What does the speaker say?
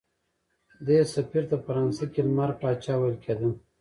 دې سفیر ته په فرانسه کې لمر پاچا ویل کېده.